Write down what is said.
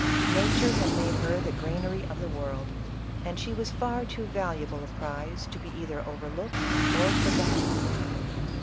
Nature had made her the granary of the world, and she was far too valuable a prize to be either overlooked or forgotten.